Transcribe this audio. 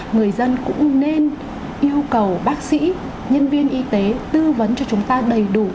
người dân cũng nên yêu cầu bác sĩ nhân viên y tế tư vấn cho chúng ta đầy đủ